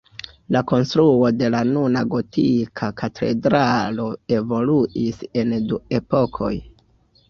La konstruo de la nuna gotika katedralo evoluis en du epokoj.